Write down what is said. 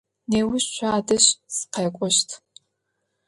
Неущ шъуадэжь сыкъэкӏощт.